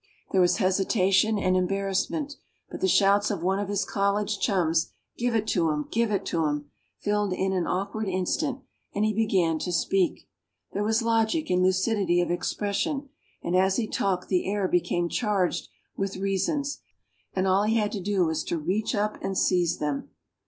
There was hesitation and embarrassment, but the shouts of one of his college chums, "Give it to 'em! Give it to 'em!" filled in an awkward instant, and he began to speak. There was logic and lucidity of expression, and as he talked the air became charged with reasons, and all he had to do was to reach up and seize them.